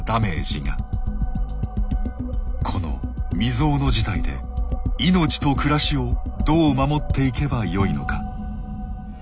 この未曽有の事態で命と暮らしをどう守っていけばよいのか。